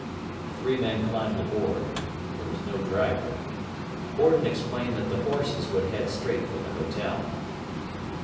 The three men climbed aboard. There was no driver. Horton explained that the 'horses' would head straight for the hotel.